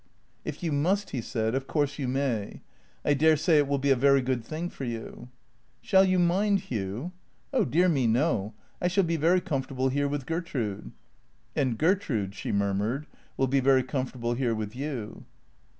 " If you must," he said, " of course you may. I dare say it will be a very good thing for you." " Shall you mind, Hugh ?"" Oh dear me, no. I shall be very comfortable here with Ger trude." " And Gertrude," she murmured, " will be very comfortable here with you."